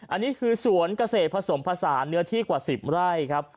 อันนี้คือสวนเกษตรผสมผสานเนื้อที่กว่า๑๐ไร่ครับ